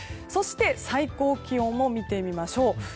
そして、最高気温も見てみましょう。